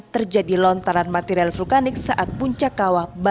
terjadi lontaran material vulkanik saat puncak kawah